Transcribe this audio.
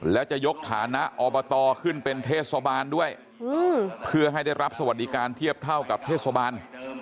แล้วจะยกฐานะอบตขึ้นเป็นเทศบาลด้วยเพื่อให้ได้รับสวัสดิการเทียบเท่ากับเทศบาล